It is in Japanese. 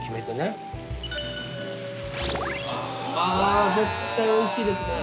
あ絶対おいしいですね！